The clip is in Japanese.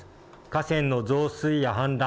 河川の増水や氾濫